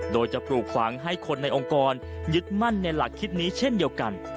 โดยจะปลูกฝังให้คนในองค์กรยึดมั่นในหลักคิดนี้เช่นเดียวกัน